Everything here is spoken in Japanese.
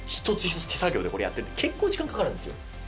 手作業でやってるんで結構時間かかるんですよ。